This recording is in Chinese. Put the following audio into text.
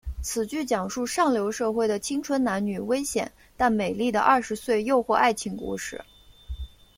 此剧讲述上流社会的青春男女危险但美丽的二十岁诱惑爱情故事。